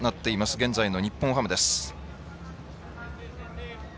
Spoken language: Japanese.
現在の日本ハムです。